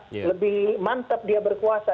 lebih mantap dia berkuasa